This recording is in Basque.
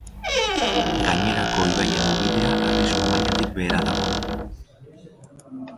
Gainerako ibaien ubidea arrisku mailatik behera dago.